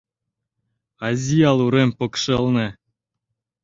Азъял урем покшелне